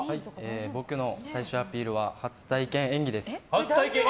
僕の最終アピールは初体験演技です。